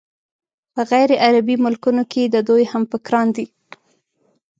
په غیرعربي ملکونو کې د دوی همفکران دي.